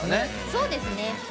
そうですね。